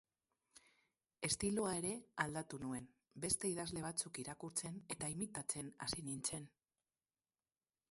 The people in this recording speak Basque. Estiloa ere aldatu nuen, beste idazle batzuk irakurtzen eta imitatzen hasi nintzen.